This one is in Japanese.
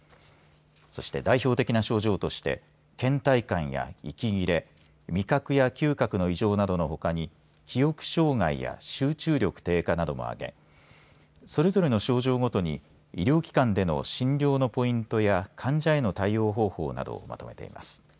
そして、代表的な症状としてけん怠感や息切れ味覚や嗅覚の異常などのほかに記憶障害や集中力低下なども挙げそれぞれの症状ごとに医療機関の診療のポイントや患者への対応方法などをまとめています。